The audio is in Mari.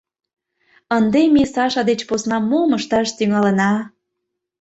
— Ынде ме Саша деч посна мом ышташ тӱҥалына?